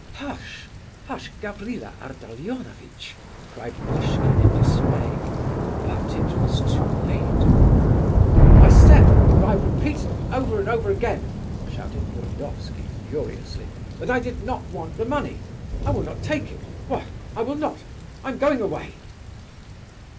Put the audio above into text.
"Hush! hush! Gavrila Ardalionovitch!" cried Muishkin in dismay, but it was too late. "I said, and I have repeated it over and over again," shouted Burdovsky furiously, "that I did not want the money. I will not take it... why...I will not... I am going away!"